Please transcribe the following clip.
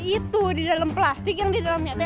itu di dalam plastik yang di dalamnya